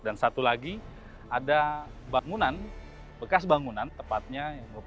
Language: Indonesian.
dan satu lagi ada bangunan bekas bangunan tepatnya